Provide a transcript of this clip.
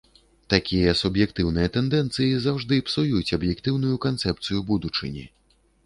Такія суб'ектыўныя тэндэнцыі заўжды псуюць аб'ектыўную канцэпцыю будучыні.